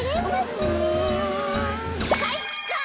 うんかいか！